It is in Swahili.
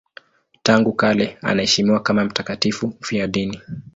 Tangu kale anaheshimiwa kama mtakatifu mfiadini.